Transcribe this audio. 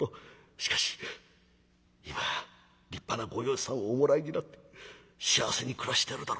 しかし今立派なご養子さんをおもらいになって幸せに暮らしてるだろう。